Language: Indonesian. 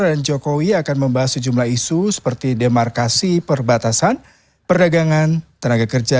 dan jokowi akan membahas sejumlah isu seperti demarkasi perbatasan perdagangan tenaga kerja